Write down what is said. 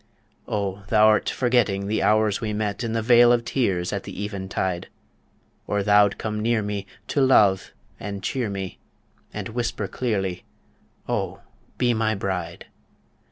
O thou'rt forgetting the hours we met in The Vale of Tears at the even tide, Or thou'd come near me to love and cheer me, And whisper clearly, "O be my bride!"